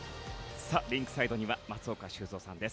リンクサイドには松岡修造さんです。